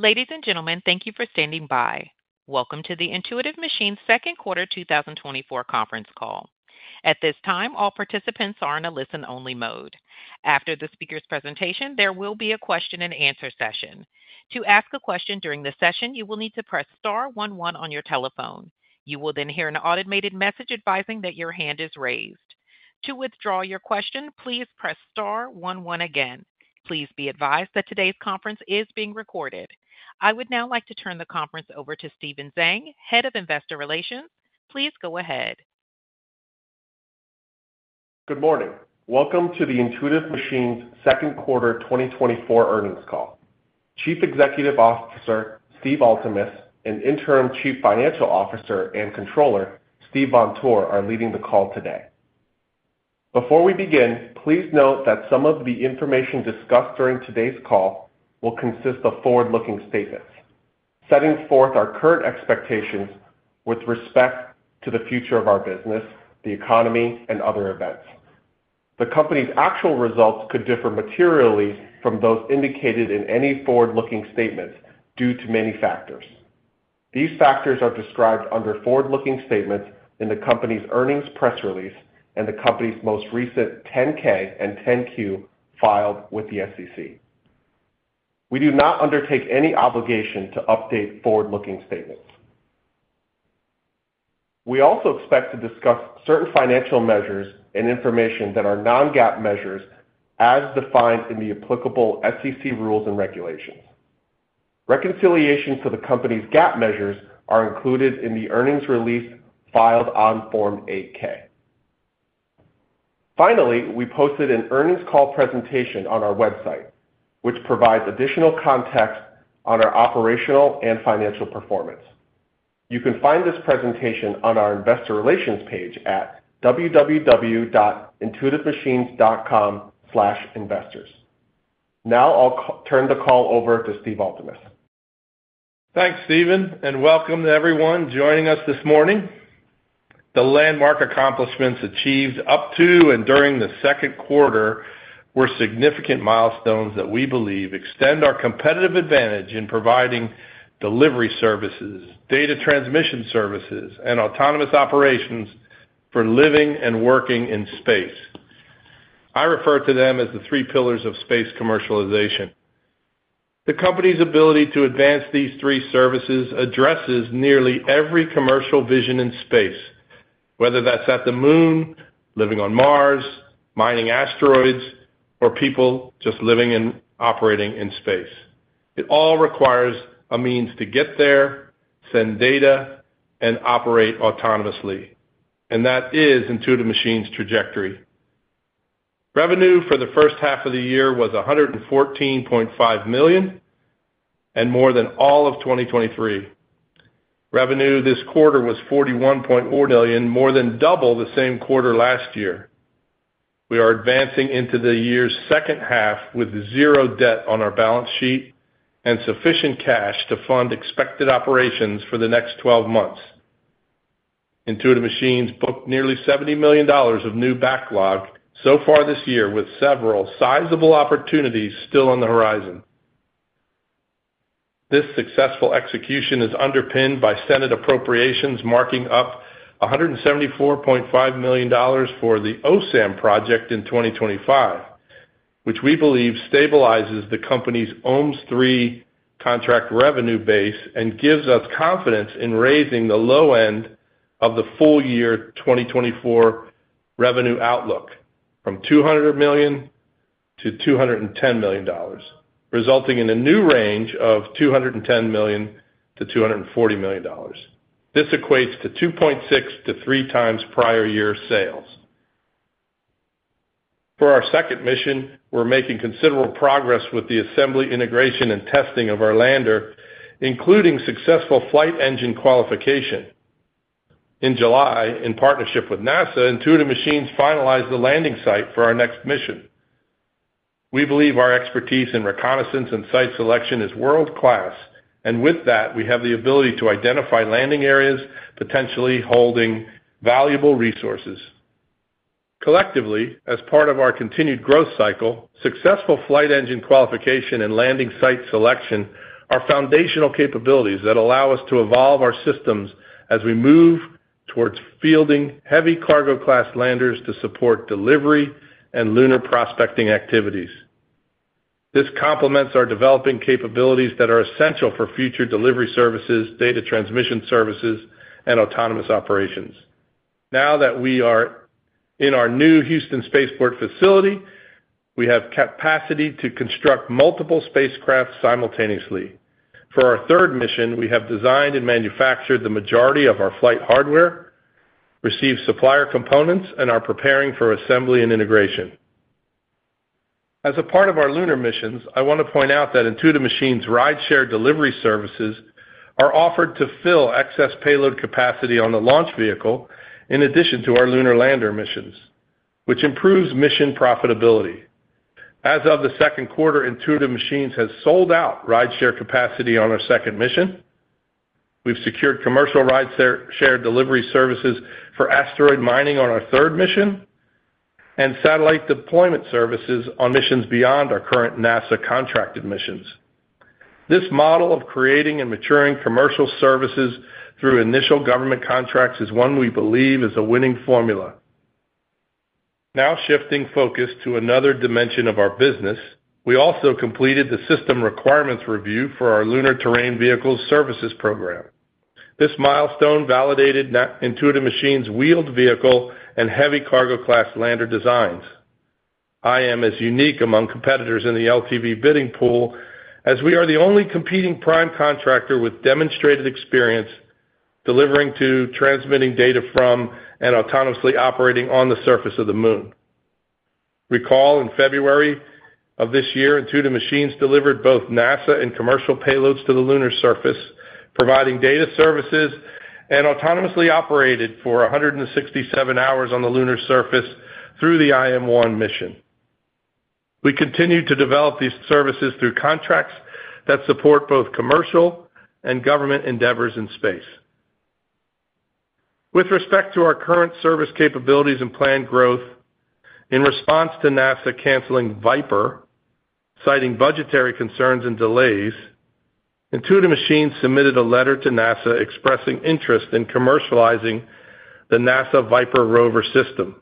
Ladies and gentlemen, thank you for standing by. Welcome to the Intuitive Machines Second Quarter 2024 Conference Call. At this time, all participants are in a listen-only mode. After the speaker's presentation, there will be a question-and-answer session. To ask a question during the session, you will need to press star one one on your telephone. You will then hear an automated message advising that your hand is raised. To withdraw your question, please press star one one again. Please be advised that today's conference is being recorded. I would now like to turn the conference over to Stephen Zhang, Head of Investor Relations. Please go ahead. Good morning. Welcome to the Intuitive Machines Second Quarter 2024 earnings call. Chief Executive Officer, Steve Altemus, and Interim Chief Financial Officer and Controller, Steven Vontur, are leading the call today. Before we begin, please note that some of the information discussed during today's call will consist of forward-looking statements, setting forth our current expectations with respect to the future of our business, the economy, and other events. The company's actual results could differ materially from those indicated in any forward-looking statements due to many factors. These factors are described under Forward-Looking Statements in the company's earnings press release and the company's most recent 10-K and 10-Q filed with the SEC. We do not undertake any obligation to update forward-looking statements. We also expect to discuss certain financial measures and information that are non-GAAP measures as defined in the applicable SEC rules and regulations. Reconciliation to the company's GAAP measures are included in the earnings release filed on Form 8-K. Finally, we posted an earnings call presentation on our website, which provides additional context on our operational and financial performance. You can find this presentation on our investor relations page at www.intuitivemachines.com/investors. Now I'll turn the call over to Steve Altemus. Thanks, Stephen, and welcome to everyone joining us this morning. The landmark accomplishments achieved up to and during the second quarter were significant milestones that we believe extend our competitive advantage in providing delivery services, data transmission services, and autonomous operations for living and working in space. I refer to them as the three pillars of space commercialization. The company's ability to advance these three services addresses nearly every commercial vision in space, whether that's at the Moon, living on Mars, mining asteroids, or people just living and operating in space. It all requires a means to get there, send data, and operate autonomously, and that is Intuitive Machines' trajectory. Revenue for the first half of the year was $114.5 million, and more than all of 2023. Revenue this quarter was $41.4 million, more than double the same quarter last year. We are advancing into the year's second half with 0 debt on our balance sheet and sufficient cash to fund expected operations for the next 12 months. Intuitive Machines booked nearly $70 million of new backlog so far this year, with several sizable opportunities still on the horizon. This successful execution is underpinned by Senate Appropriations, marking up $174.5 million for the OSAM project in 2025, which we believe stabilizes the company's OMES III contract revenue base and gives us confidence in raising the low end of the full year 2024 revenue outlook from $200 million-$210 million, resulting in a new range of $210 million-$240 million. This equates to 2.6x-3x prior year sales. For our second mission, we're making considerable progress with the assembly, integration, and testing of our lander, including successful flight engine qualification. In July, in partnership with NASA, Intuitive Machines finalized the landing site for our next mission. We believe our expertise in reconnaissance and site selection is world-class, and with that, we have the ability to identify landing areas potentially holding valuable resources. Collectively, as part of our continued growth cycle, successful flight engine qualification and landing site selection are foundational capabilities that allow us to evolve our systems as we move towards fielding heavy cargo class landers to support delivery and lunar prospecting activities. This complements our developing capabilities that are essential for future delivery services, data transmission services, and autonomous operations. Now that we are in our new Houston Spaceport facility, we have capacity to construct multiple spacecraft simultaneously. For our third mission, we have designed and manufactured the majority of our flight hardware, received supplier components, and are preparing for assembly and integration. As a part of our lunar missions, I want to point out that Intuitive Machines' rideshare delivery services are offered to fill excess payload capacity on the launch vehicle, in addition to our lunar lander missions, which improves mission profitability. As of the second quarter, Intuitive Machines has sold out rideshare capacity on our second mission. We've secured commercial rideshare, shared delivery services for asteroid mining on our third mission, and satellite deployment services on missions beyond our current NASA contracted missions. This model of creating and maturing commercial services through initial government contracts is one we believe is a winning formula. Now shifting focus to another dimension of our business, we also completed the system requirements review for our Lunar Terrain Vehicle Services program. This milestone validated that Intuitive Machines' wheeled vehicle and heavy cargo class lander designs. IM is unique among competitors in the LTV bidding pool, as we are the only competing prime contractor with demonstrated experience delivering to, transmitting data from, and autonomously operating on the surface of the Moon. Recall, in February of this year, Intuitive Machines delivered both NASA and commercial payloads to the lunar surface, providing data services and autonomously operated for 167 hours on the lunar surface through the IM-1 mission. We continue to develop these services through contracts that support both commercial and government endeavors in space. With respect to our current service capabilities and planned growth, in response to NASA canceling VIPER, citing budgetary concerns and delays, Intuitive Machines submitted a letter to NASA expressing interest in commercializing the NASA VIPER Rover system.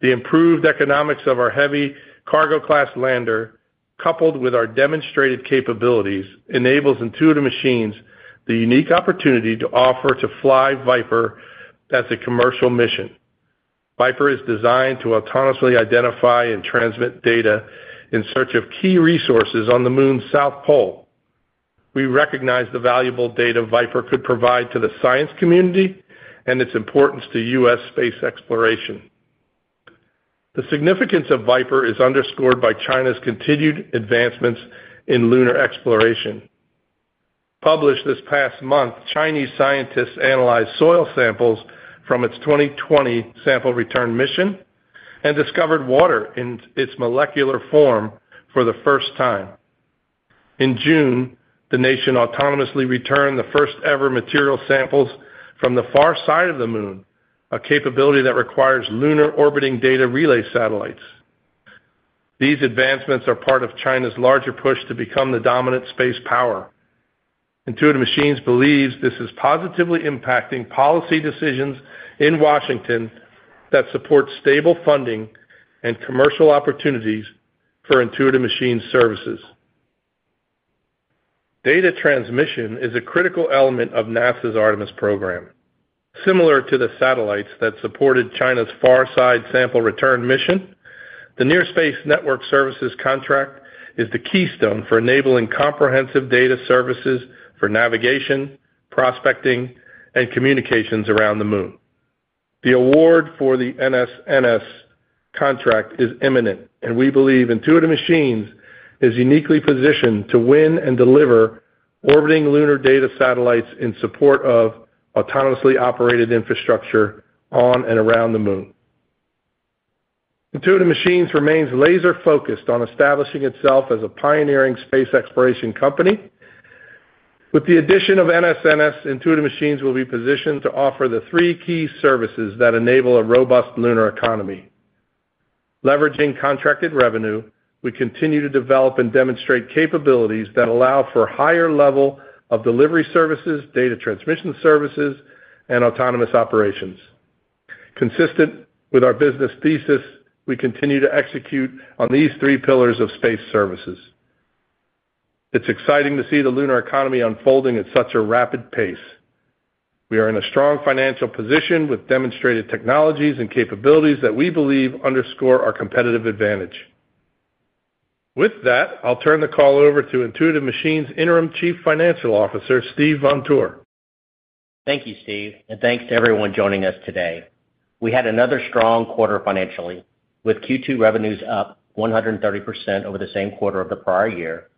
The improved economics of our heavy cargo class lander, coupled with our demonstrated capabilities, enables Intuitive Machines the unique opportunity to offer to fly VIPER as a commercial mission. VIPER is designed to autonomously identify and transmit data in search of key resources on the Moon's South Pole. We recognize the valuable data VIPER could provide to the science community and its importance to U.S. space exploration. The significance of VIPER is underscored by China's continued advancements in lunar exploration. Published this past month, Chinese scientists analyzed soil samples from its 2020 sample return mission and discovered water in its molecular form for the first time. In June, the nation autonomously returned the first-ever material samples from the far side of the Moon, a capability that requires lunar orbiting data relay satellites. These advancements are part of China's larger push to become the dominant space power. Intuitive Machines believes this is positively impacting policy decisions in Washington that support stable funding and commercial opportunities for Intuitive Machines services. Data transmission is a critical element of NASA's Artemis program. Similar to the satellites that supported China's far side sample return mission, the Near Space Network Services contract is the keystone for enabling comprehensive data services for navigation, prospecting, and communications around the Moon. The award for the NSNS contract is imminent, and we believe Intuitive Machines is uniquely positioned to win and deliver orbiting lunar data satellites in support of autonomously operated infrastructure on and around the Moon. Intuitive Machines remains laser-focused on establishing itself as a pioneering space exploration company. With the addition of NSNS, Intuitive Machines will be positioned to offer the three key services that enable a robust lunar economy. Leveraging contracted revenue, we continue to develop and demonstrate capabilities that allow for a higher level of delivery services, data transmission services, and autonomous operations. Consistent with our business thesis, we continue to execute on these three pillars of space services. It's exciting to see the lunar economy unfolding at such a rapid pace. We are in a strong financial position with demonstrated technologies and capabilities that we believe underscore our competitive advantage. With that, I'll turn the call over to Intuitive Machines' Interim Chief Financial Officer, Steven Vontur. Thank you, Steve, and thanks to everyone joining us today. We had another strong quarter financially, with Q2 revenues up 130% over the same quarter of the prior year,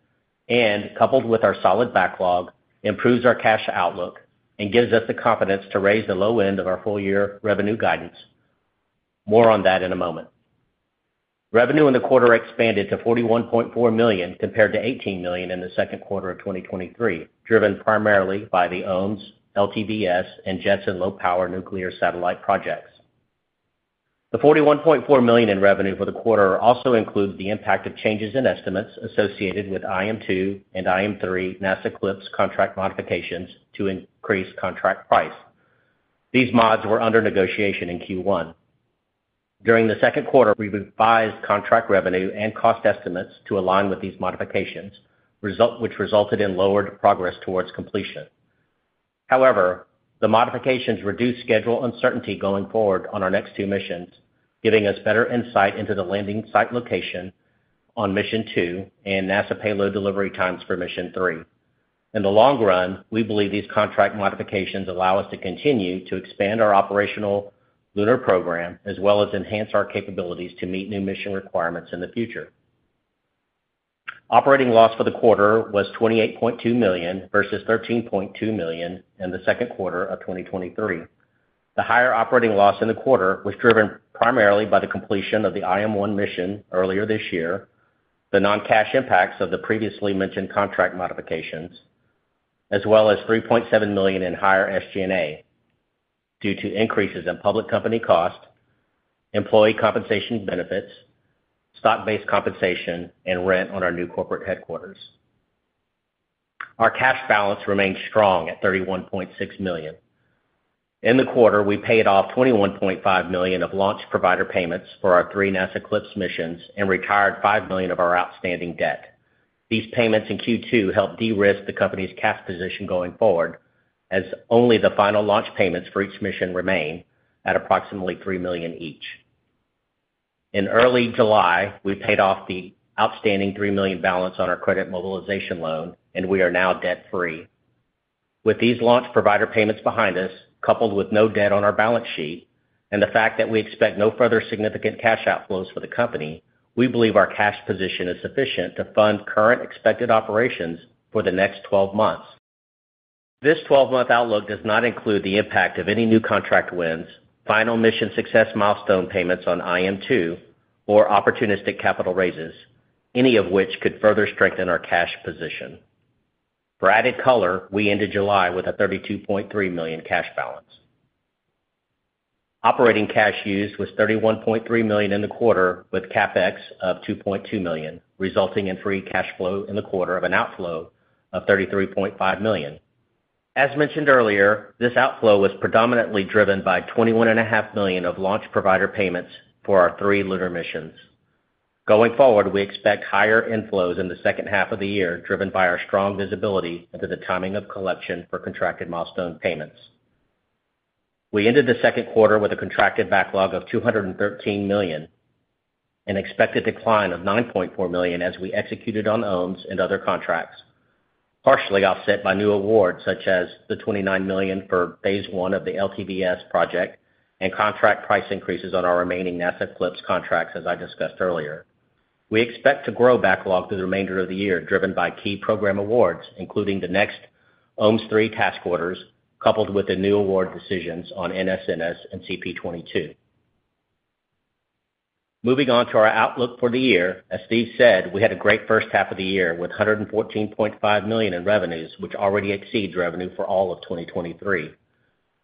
and coupled with our solid backlog, improves our cash outlook and gives us the confidence to raise the low end of our full-year revenue guidance. More on that in a moment. Revenue in the quarter expanded to $41.4 million, compared to $18 million in the second quarter of 2023, driven primarily by the OMES, LTVS, and JETSON and Low Power Nuclear Satellite projects. The $41.4 million in revenue for the quarter also includes the impact of changes in estimates associated with IM-2 and IM-3, NASA CLPS contract modifications to increase contract price. These mods were under negotiation in Q1. During the second quarter, we revised contract revenue and cost estimates to align with these modifications, which resulted in lowered progress towards completion. However, the modifications reduced schedule uncertainty going forward on our next two missions, giving us better insight into the landing site location on IM-2 and NASA payload delivery times for IM-3. In the long run, we believe these contract modifications allow us to continue to expand our operational lunar program, as well as enhance our capabilities to meet new mission requirements in the future. Operating loss for the quarter was $28.2 million versus $13.2 million in the second quarter of 2023. The higher operating loss in the quarter was driven primarily by the completion of the IM-1 mission earlier this year. The non-cash impacts of the previously mentioned contract modifications, as well as $3.7 million in higher SG&A due to increases in public company cost, employee compensation benefits, stock-based compensation, and rent on our new corporate headquarters. Our cash balance remains strong at $31.6 million. In the quarter, we paid off $21.5 million of launch provider payments for our three NASA CLPS missions and retired $5 million of our outstanding debt. These payments in Q2 help de-risk the company's cash position going forward, as only the final launch payments for each mission remain at approximately $3 million each. In early July, we paid off the outstanding $3 million balance on our credit mobilization loan, and we are now debt-free. With these launch provider payments behind us, coupled with no debt on our balance sheet and the fact that we expect no further significant cash outflows for the company, we believe our cash position is sufficient to fund current expected operations for the next 12 months. This 12-month outlook does not include the impact of any new contract wins, final mission success milestone payments on IM-2, or opportunistic capital raises, any of which could further strengthen our cash position. For added color, we ended July with a $32.3 million cash balance. Operating cash use was $31.3 million in the quarter, with CapEx of $2.2 million, resulting in free cash flow in the quarter of an outflow of $33.5 million. As mentioned earlier, this outflow was predominantly driven by $21.5 million of launch provider payments for our three lunar missions. Going forward, we expect higher inflows in the second half of the year, driven by our strong visibility into the timing of collection for contracted milestone payments. We ended the second quarter with a contracted backlog of $213 million, an expected decline of $9.4 million as we executed on OMES and other contracts, partially offset by new awards, such as the $29 million for phase I of the LTV project and contract price increases on our remaining NASA CLPS contracts, as I discussed earlier. We expect to grow backlog through the remainder of the year, driven by key program awards, including the next OMES III task orders, coupled with the new award decisions on NSNS and CP-22. Moving on to our outlook for the year, as Steve said, we had a great first half of the year, with $114.5 million in revenues, which already exceeds revenue for all of 2023.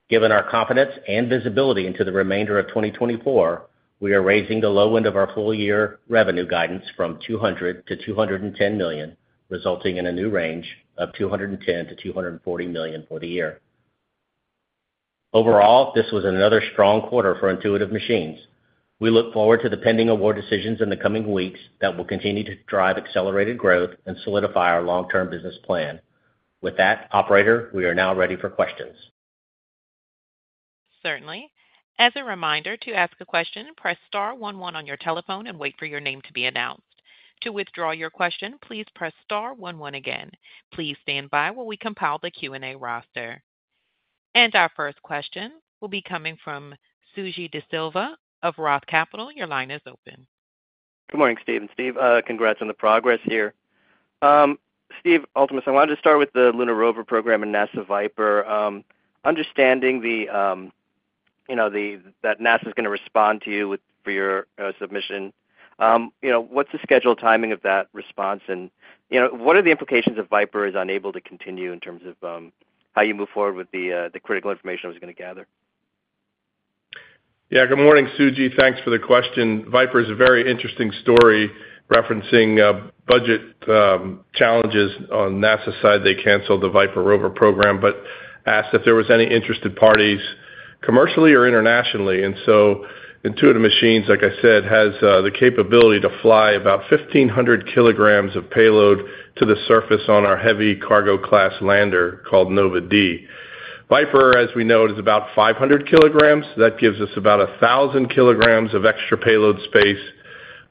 Given our confidence and visibility into the remainder of 2024, we are raising the low end of our full-year revenue guidance from $200 million-$210 million, resulting in a new range of $210 million-$240 million for the year. Overall, this was another strong quarter for Intuitive Machines. We look forward to the pending award decisions in the coming weeks that will continue to drive accelerated growth and solidify our long-term business plan. With that, operator, we are now ready for questions. Certainly. As a reminder, to ask a question, press star one one on your telephone and wait for your name to be announced. To withdraw your question, please press star one one again. Please stand by while we compile the Q&A roster. Our first question will be coming from Suji Desilva of Roth Capital. Your line is open. Good morning, Steve and Steve. Congrats on the progress here. Steve Altemus, I wanted to start with the Lunar Rover program and NASA VIPER. Understanding the, you know, that NASA is gonna respond to you with, for your, submission. You know, what's the scheduled timing of that response? And, you know, what are the implications if VIPER is unable to continue in terms of, how you move forward with the critical information I was gonna gather? Yeah, good morning, Suji. Thanks for the question. VIPER is a very interesting story, referencing budget challenges on NASA's side. They canceled the VIPER Rover program, but asked if there was any interested parties, commercially or internationally. And so Intuitive Machines, like I said, has the capability to fly about 1,500 kilograms of payload to the surface on our heavy cargo class lander called Nova-D. VIPER, as we know, is about 500 kilograms. That gives us about 1,000 kilograms of extra payload space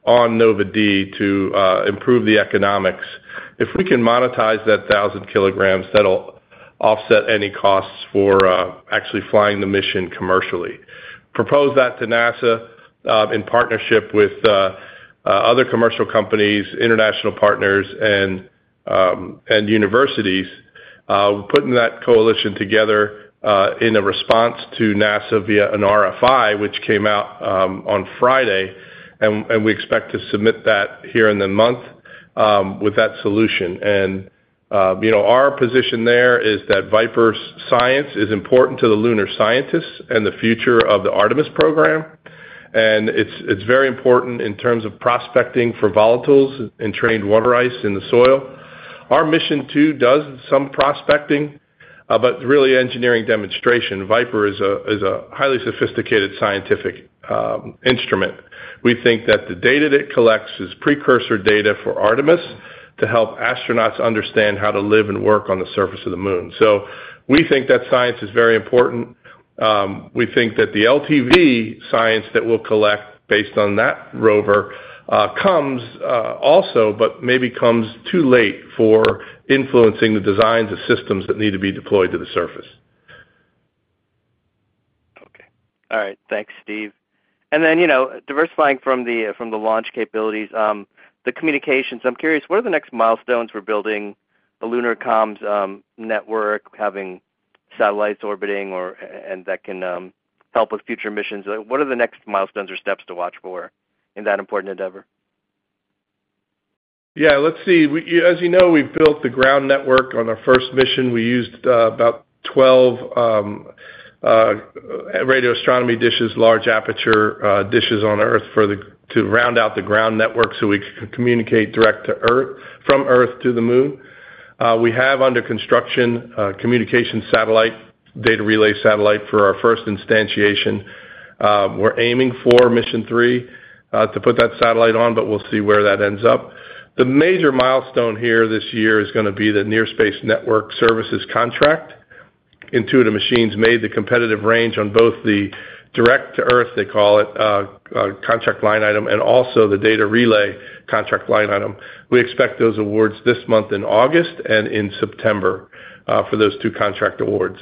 on Nova-D to improve the economics. If we can monetize that 1,000 kilograms, that'll offset any costs for actually flying the mission commercially. Proposed that to NASA in partnership with other commercial companies, international partners, and universities. We're putting that coalition together in a response to NASA via an RFI, which came out on Friday, and we expect to submit that here in the month with that solution. You know, our position there is that VIPER's science is important to the lunar scientists and the future of the Artemis program, and it's very important in terms of prospecting for volatiles and trapped water ice in the soil. Our mission, too, does some prospecting, but really engineering demonstration. VIPER is a highly sophisticated scientific instrument. We think that the data that it collects is precursor data for Artemis to help astronauts understand how to live and work on the surface of the Moon. So we think that science is very important. We think that the LTV science that we'll collect based on that rover comes also, but maybe comes too late for influencing the designs of systems that need to be deployed to the surface. Okay. All right. Thanks, Steve. And then, you know, diversifying from the, from the launch capabilities, the communications. I'm curious, what are the next milestones for building the lunar comms network, having satellites orbiting or, and that can help with future missions. What are the next milestones or steps to watch for in that important endeavor? Yeah, let's see. As you know, we've built the ground network on our first mission. We used about 12 radio astronomy dishes, large aperture dishes on Earth to round out the ground network, so we could communicate direct to Earth, from Earth to the Moon. We have under construction communication satellite, data relay satellite for our first instantiation. We're aiming for Mission three to put that satellite on, but we'll see where that ends up. The major milestone here this year is gonna be the Near Space Network Services contract. Intuitive Machines made the competitive range on both the direct to Earth, they call it contract line item, and also the data relay contract line item. We expect those awards this month in August and in September for those two contract awards.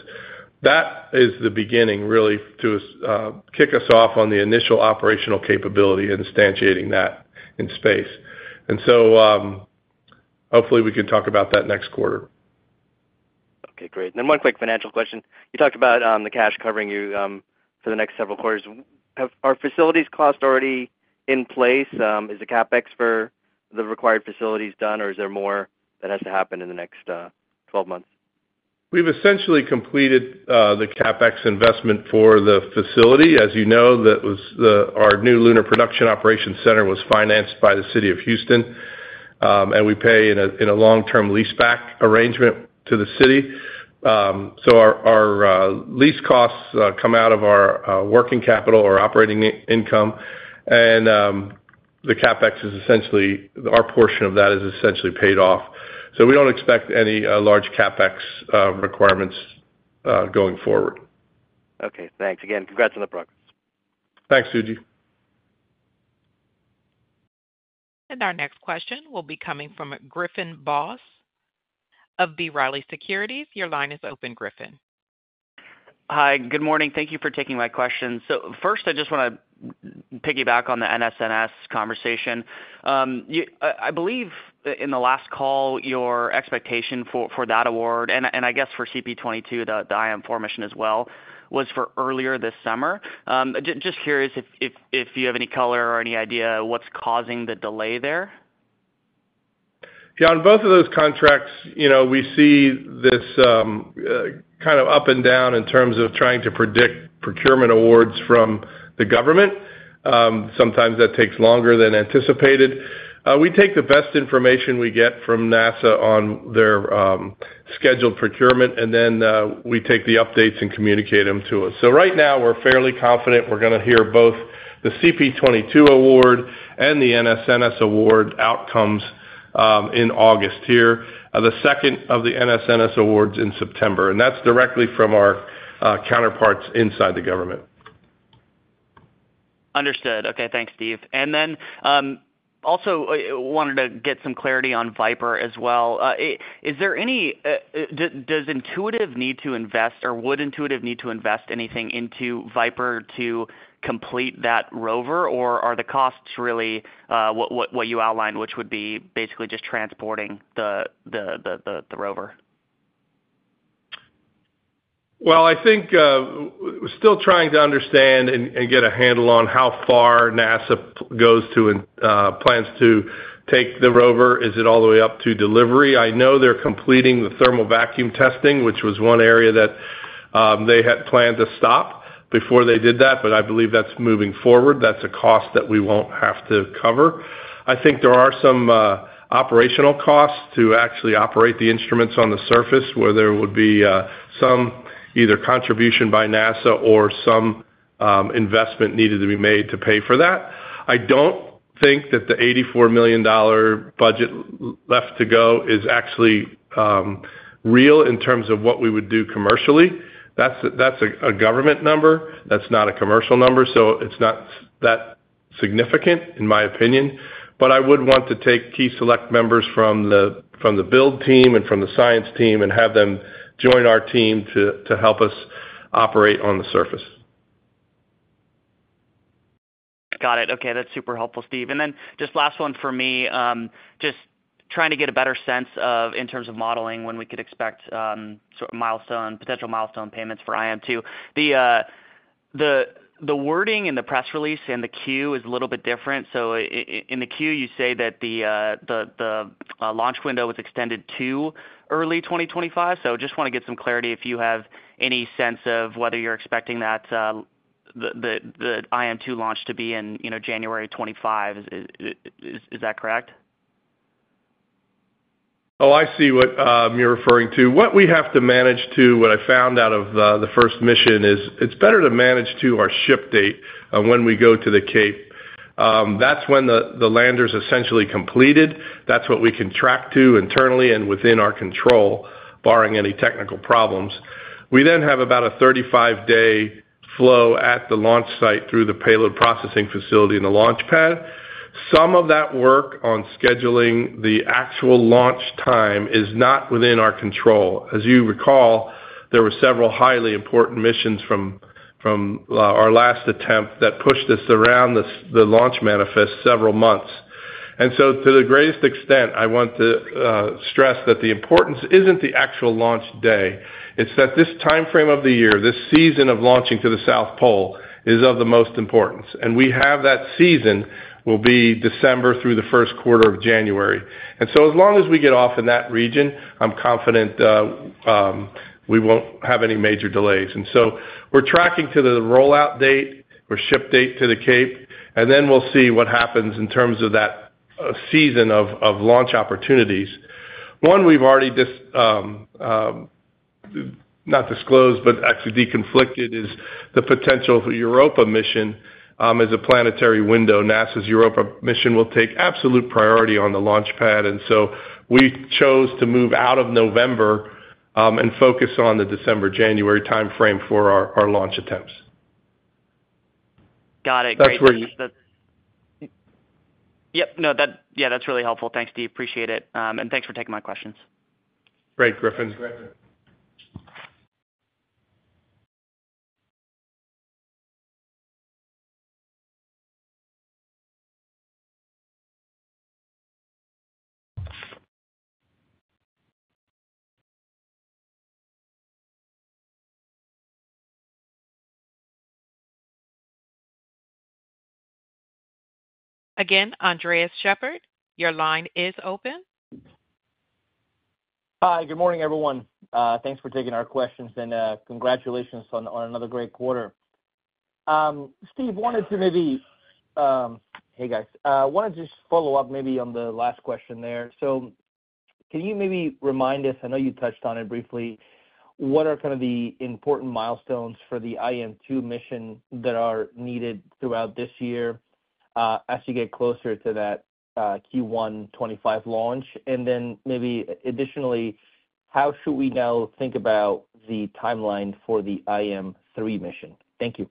That is the beginning, really, to kick us off on the initial operational capability, instantiating that in space. And so, hopefully, we can talk about that next quarter. Okay, great. Then one quick financial question. You talked about the cash covering you for the next several quarters. Are facilities costs already in place? Is the CapEx for the required facilities done, or is there more that has to happen in the next 12 months? We've essentially completed the CapEx investment for the facility. As you know, that was our new Lunar Production Operations Center was financed by the city of Houston. We pay in a long-term leaseback arrangement to the city. So our lease costs come out of our working capital or operating income, and the CapEx is essentially our portion of that is essentially paid off. So we don't expect any large CapEx requirements going forward. Okay, thanks again. Congrats on the progress. Thanks, Suji. Our next question will be coming from Griffin Boss of B. Riley Securities. Your line is open, Griffin. Hi, good morning. Thank you for taking my question. So first, I just wanna piggyback on the NSNS conversation. I believe in the last call, your expectation for that award, and I guess for CP-22, the IM-4 mission as well, was for earlier this summer. Just curious if you have any color or any idea what's causing the delay there? Yeah, on both of those contracts, you know, we see this kind of up and down in terms of trying to predict procurement awards from the government. Sometimes that takes longer than anticipated. We take the best information we get from NASA on their scheduled procurement, and then we take the updates and communicate them to them. So right now, we're fairly confident we're gonna hear both the CP-22 award and the NSNS award outcomes in August here, the second of the NSNS awards in September, and that's directly from our counterparts inside the government. Understood. Okay, thanks, Steve. And then, also, wanted to get some clarity on VIPER as well. Is there any... Does Intuitive need to invest, or would Intuitive need to invest anything into VIPER to complete that rover? Or are the costs really what you outlined, which would be basically just transporting the rover? Well, I think, we're still trying to understand and get a handle on how far NASA plans to go to and plans to take the rover. Is it all the way up to delivery? I know they're completing the thermal vacuum testing, which was one area that they had planned to stop before they did that, but I believe that's moving forward. That's a cost that we won't have to cover. I think there are some operational costs to actually operate the instruments on the surface, where there would be some either contribution by NASA or some investment needed to be made to pay for that. I don't think that the $84 million budget left to go is actually real in terms of what we would do commercially. That's a government number. That's not a commercial number, so it's not that significant, in my opinion. But I would want to take key select members from the build team and from the science team and have them join our team to help us operate on the surface. Got it. Okay, that's super helpful, Steve. And then just last one for me. Just trying to get a better sense of, in terms of modeling, when we could expect sort of milestone, potential milestone payments for IM-2. The wording in the press release and the Q is a little bit different. So in the Q, you say that the launch window was extended to early 2025. So just wanna get some clarity, if you have any sense of whether you're expecting that the IM-2 launch to be in, you know, January 2025. Is that correct? Oh, I see what you're referring to. What we have to manage to, what I found out of the first mission, is it's better to manage to our ship date of when we go to the Cape. That's when the lander's essentially completed. That's what we can track to internally and within our control, barring any technical problems. We then have about a 35-day flow at the launch site through the payload processing facility and the launch pad. Some of that work on scheduling the actual launch time is not within our control. As you recall, there were several highly important missions from our last attempt that pushed us around this, the launch manifest several months.... To the greatest extent, I want to stress that the importance isn't the actual launch day, it's that this time frame of the year, this season of launching to the South Pole, is of the most importance. We have that season will be December through the first quarter of January. As long as we get off in that region, I'm confident we won't have any major delays. We're tracking to the rollout date or ship date to the Cape, and then we'll see what happens in terms of that season of launch opportunities. One we've already not disclosed, but actually deconflicted, is the potential for Europa mission as a planetary window. NASA's Europa mission will take absolute priority on the launch pad, and so we chose to move out of November and focus on the December-January timeframe for our launch attempts. Got it. Great. That's where you- Yep. No, that, yeah, that's really helpful. Thanks, Steve. Appreciate it. Thanks for taking my questions. Great, Griffin. Again, Andres Sheppard, your line is open. Hi, good morning, everyone. Thanks for taking our questions, and congratulations on another great quarter. Steve, wanted to maybe... Wanted to just follow up maybe on the last question there. So can you maybe remind us, I know you touched on it briefly, what are kind of the important milestones for the IM-2 mission that are needed throughout this year, as you get closer to that Q1 2025 launch? And then maybe additionally, how should we now think about the timeline for the IM-3 mission? Thank you.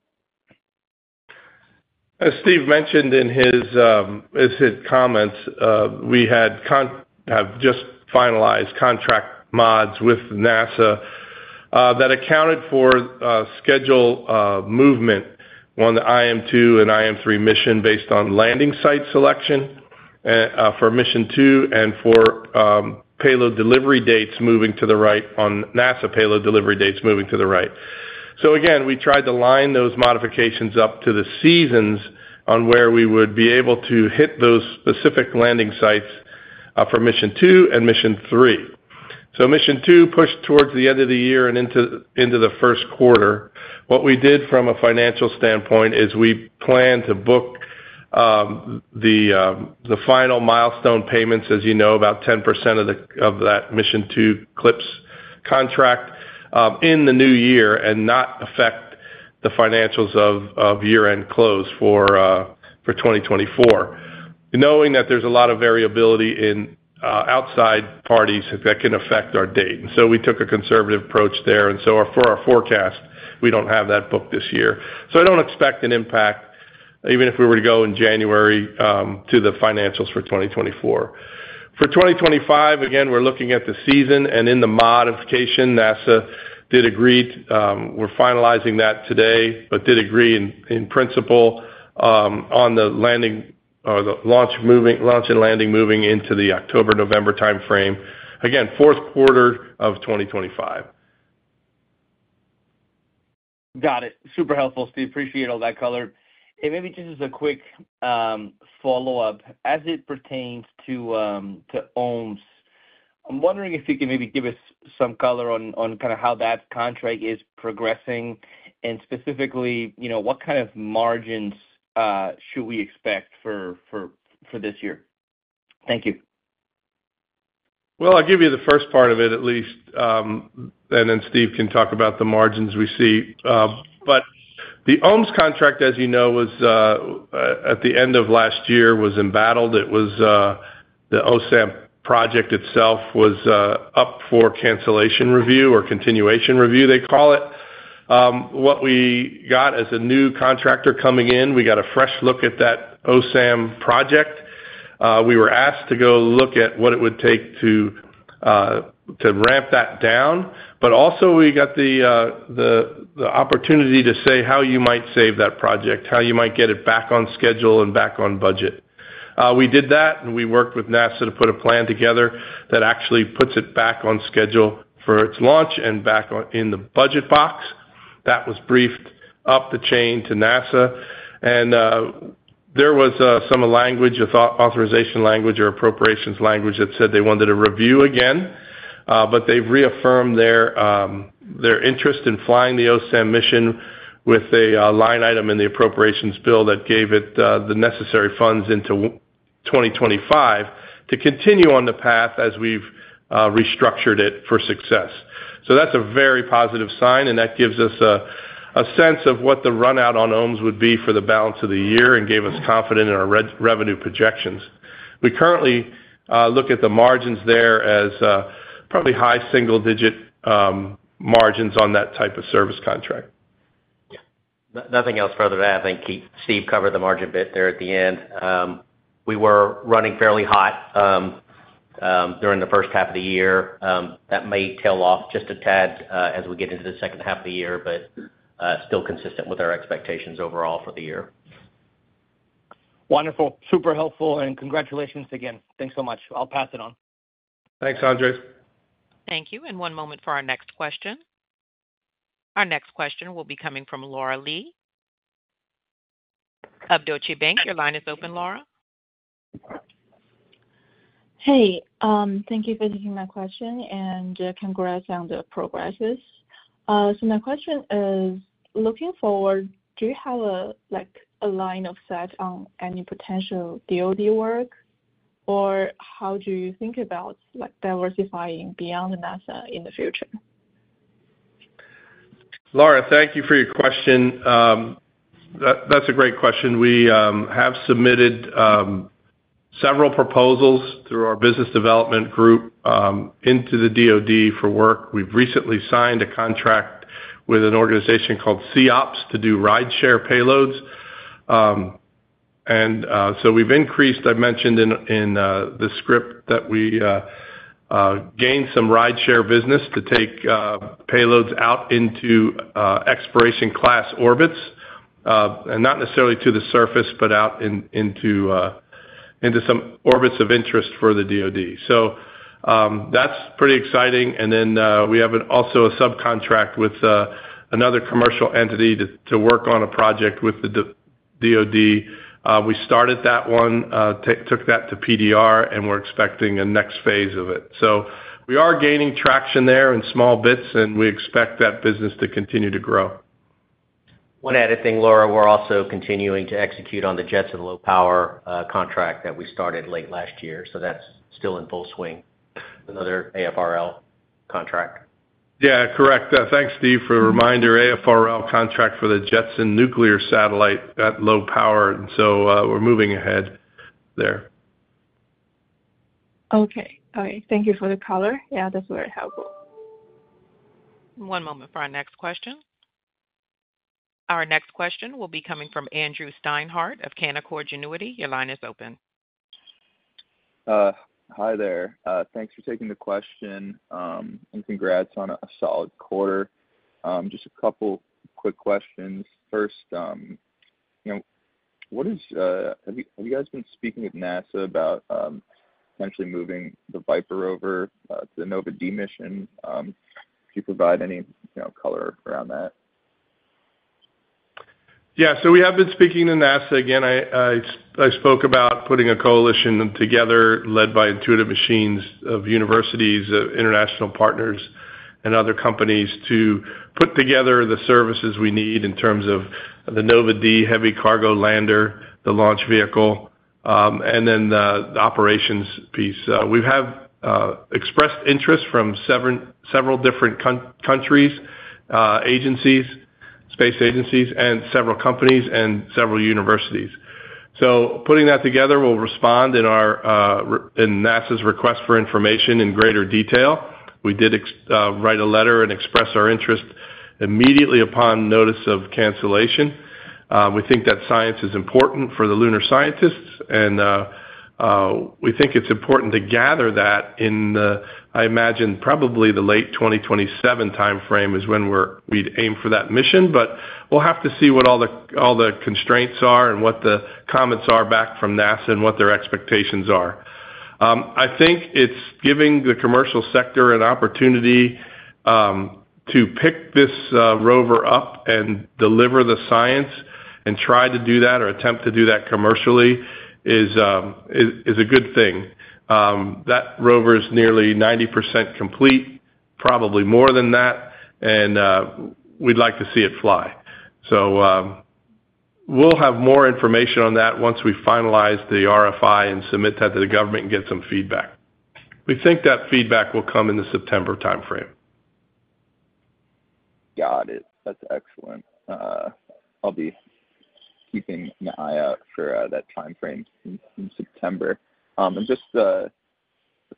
As Steve mentioned in his comments, we have just finalized contract mods with NASA that accounted for schedule movement on the IM-2 and IM-3 mission based on landing site selection for mission two, and for payload delivery dates moving to the right, NASA payload delivery dates moving to the right. So again, we tried to line those modifications up to the seasons on where we would be able to hit those specific landing sites for mission two and mission three. So mission two pushed towards the end of the year and into the first quarter. What we did from a financial standpoint is we planned to book the final milestone payments, as you know, about 10% of that mission two CLPS contract, in the new year and not affect the financials of year-end close for 2024. Knowing that there's a lot of variability in outside parties that can affect our date. So we took a conservative approach there, and so for our forecast, we don't have that booked this year. So I don't expect an impact, even if we were to go in January, to the financials for 2024. For 2025, again, we're looking at the season, and in the modification, NASA did agree, we're finalizing that today, but did agree in principle, on the launch and landing moving into the October-November timeframe. Again, fourth quarter of 2025. Got it. Super helpful, Steve. Appreciate all that color. And maybe just as a quick follow-up, as it pertains to OMES, I'm wondering if you can maybe give us some color on how that contract is progressing, and specifically, you know, what kind of margins should we expect for this year? Thank you. Well, I'll give you the first part of it, at least, and then Steve can talk about the margins we see. But the OMES contract, as you know, was at the end of last year, was embattled. It was the OSAM project itself was up for cancellation review or continuation review, they call it. What we got as a new contractor coming in, we got a fresh look at that OSAM project. We were asked to go look at what it would take to ramp that down, but also we got the opportunity to say how you might save that project, how you might get it back on schedule and back on budget. We did that, and we worked with NASA to put a plan together that actually puts it back on schedule for its launch and back on in the budget box. That was briefed up the chain to NASA, and there was some language, authorization language or appropriations language that said they wanted a review again, but they've reaffirmed their their interest in flying the OSAM mission with a line item in the appropriations bill that gave it the necessary funds into 2025 to continue on the path as we've restructured it for success. So that's a very positive sign, and that gives us a a sense of what the runout on OMES would be for the balance of the year and gave us confidence in our revenue projections. We currently look at the margins there as probably high single digit margins on that type of service contract. Yeah. Nothing else further to add. I think Steve covered the margin bit there at the end. We were running fairly hot. ... during the first half of the year, that may tail off just a tad, as we get into the second half of the year, but, still consistent with our expectations overall for the year. Wonderful. Super helpful, and congratulations again. Thanks so much. I'll pass it on. Thanks, Andres. Thank you. One moment for our next question. Our next question will be coming from Laura Lee of Deutsche Bank. Your line is open, Laura. Hey, thank you for taking my question, and congrats on the progresses. So my question is, looking forward, do you have a, like, a line of sight on any potential DoD work? Or how do you think about, like, diversifying beyond NASA in the future? Laura, thank you for your question. That's a great question. We have submitted several proposals through our business development group into the DoD for work. We've recently signed a contract with an organization called SEOPS to do rideshare payloads. And so we've increased, I've mentioned in the script that we gained some rideshare business to take payloads out into exploration class orbits, and not necessarily to the surface, but out in into some orbits of interest for the DoD. So, that's pretty exciting. And then, we also have a subcontract with another commercial entity to work on a project with the DoD. We started that one, took that to PDR, and we're expecting a next phase of it. We are gaining traction there in small bits, and we expect that business to continue to grow. One added thing, Laura, we're also continuing to execute on the JETSON low-power contract that we started late last year, so that's still in full swing. Another AFRL contract. Yeah, correct. Thanks, Steve, for the reminder. AFRL contract for the JETSON nuclear satellite at low power, and so, we're moving ahead there. Okay. All right. Thank you for the color. Yeah, that's very helpful. One moment for our next question. Our next question will be coming from Andrew Steinhardt of Canaccord Genuity. Your line is open. Hi there. Thanks for taking the question, and congrats on a solid quarter. Just a couple quick questions. First, you know, what is... Have you guys been speaking with NASA about potentially moving the VIPER over to the Nova-D mission? If you provide any, you know, color around that. Yeah, so we have been speaking to NASA. Again, I spoke about putting a coalition together, led by Intuitive Machines of universities, of international partners, and other companies, to put together the services we need in terms of the Nova-D heavy cargo lander, the launch vehicle, and then the operations piece. We have expressed interest from several different countries, agencies, space agencies, and several companies and several universities. So putting that together, we'll respond in our in NASA's request for information in greater detail. We did write a letter and express our interest immediately upon notice of cancellation. We think that science is important for the lunar scientists, and we think it's important to gather that in the, I imagine, probably the late 2027 timeframe is when we'd aim for that mission. But we'll have to see what all the constraints are and what the comments are back from NASA and what their expectations are. I think it's giving the commercial sector an opportunity to pick this rover up and deliver the science and try to do that or attempt to do that commercially is a good thing. That rover is nearly 90% complete, probably more than that, and we'd like to see it fly. So, we'll have more information on that once we finalize the RFI and submit that to the government and get some feedback. We think that feedback will come in the September timeframe. Got it. That's excellent. I'll be keeping an eye out for that timeframe in September. And just a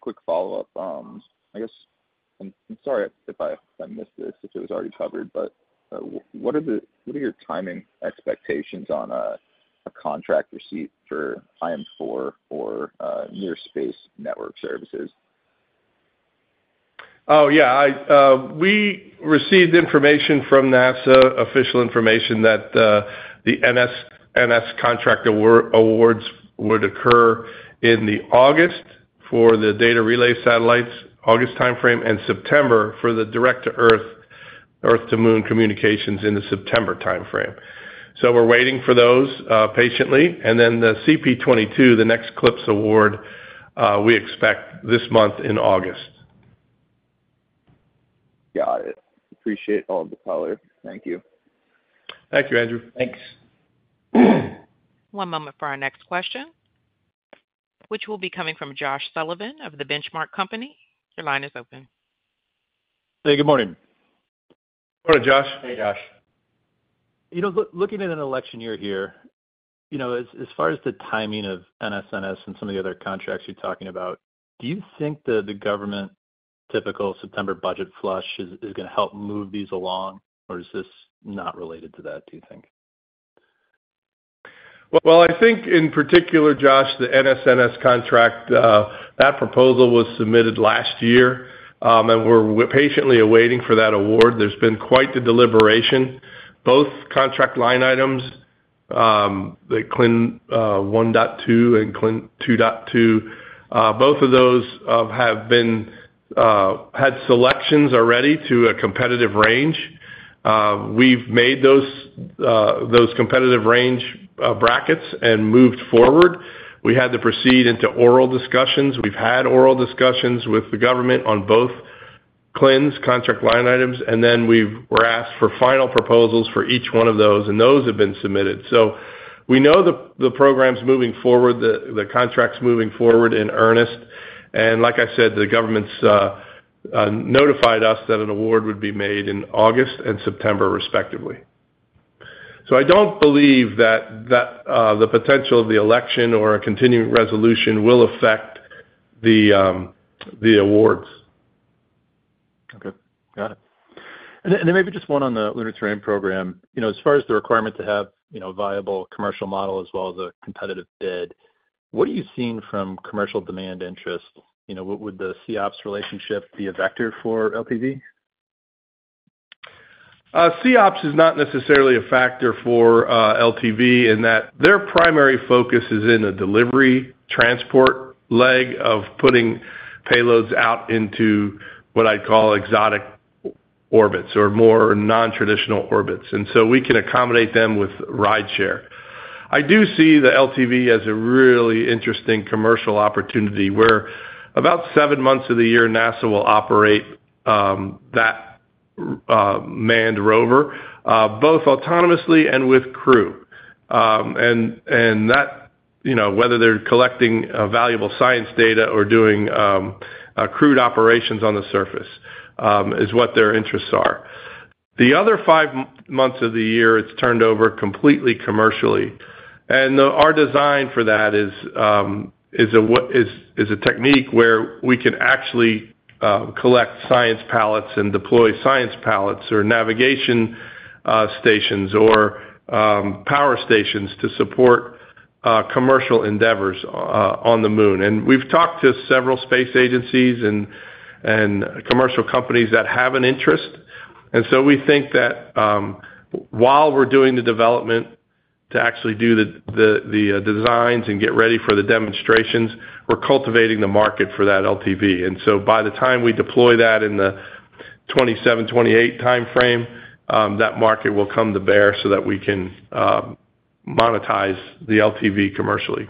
quick follow-up. I guess, I'm sorry if I missed this, if it was already covered, but what are your timing expectations on a contract receipt for IM-4 or Near Space Network Services? Oh, yeah, we received information from NASA, official information, that the NSNS contract award, awards would occur in August for the data relay satellites, August timeframe, and September for the direct-to-Earth, Earth-to-Moon communications in the September timeframe. So we're waiting for those patiently, and then the CP-22, the next CLPS award, we expect this month in August. Got it. Appreciate all the color. Thank you. Thank you, Andres. Thanks. One moment for our next question, which will be coming from Josh Sullivan of The Benchmark Company. Your line is open. Hey, good morning. Good morning, Josh. Hey, Josh. You know, looking at an election year here, you know, as far as the timing of NSNS and some of the other contracts you're talking about, do you think that the government typical September budget flush is gonna help move these along, or is this not related to that, do you think? Well, I think in particular, Josh, the NSNS contract, that proposal was submitted last year, and we're patiently awaiting for that award. There's been quite the deliberation. Both contract line items, the CLIN 1.2 and CLIN 2.2, both of those, have had selections already to a competitive range. We've made those competitive range brackets, and moved forward. We had to proceed into oral discussions. We've had oral discussions with the government on both CLIN's contract line items, and then we were asked for final proposals for each one of those, and those have been submitted. So we know the program's moving forward, the contract's moving forward in earnest. And like I said, the government's notified us that an award would be made in August and September, respectively. I don't believe that the potential of the election or a continuing resolution will affect the awards. Okay, got it. And then maybe just one on the lunar terrain program. You know, as far as the requirement to have, you know, a viable commercial model as well as a competitive bid, what are you seeing from commercial demand interest? You know, would the SEOPS relationship be a vector for LTV? SEOPS is not necessarily a factor for LTV in that their primary focus is in a delivery transport leg of putting payloads out into what I'd call exotic orbits or more non-traditional orbits. And so we can accommodate them with Rideshare. I do see the LTV as a really interesting commercial opportunity, where about seven months of the year, NASA will operate that manned rover both autonomously and with crew. And that, you know, whether they're collecting valuable science data or doing crewed operations on the surface is what their interests are. The other five months of the year, it's turned over completely commercially. And our design for that is a technique where we can actually collect science pallets and deploy science pallets or navigation stations or power stations to support commercial endeavors on the Moon. And we've talked to several space agencies and commercial companies that have an interest. And so we think that while we're doing the development to actually do the designs and get ready for the demonstrations, we're cultivating the market for that LTV. And so by the time we deploy that in the 2027, 2028 timeframe, that market will come to bear so that we can monetize the LTV commercially.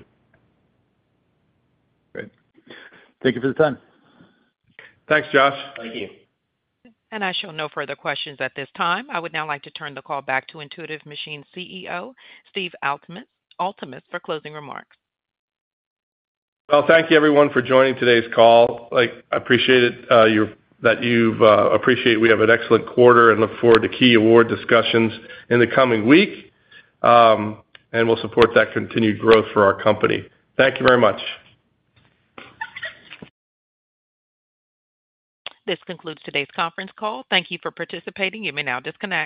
Great. Thank you for the time. Thanks, Josh. Thank you. I show no further questions at this time. I would now like to turn the call back to Intuitive Machines CEO, Steve Altemus, for closing remarks. Well, thank you, everyone, for joining today's call. I appreciate that you appreciate we have an excellent quarter and look forward to key award discussions in the coming week. And we'll support that continued growth for our company. Thank you very much. This concludes today's conference call. Thank you for participating. You may now disconnect.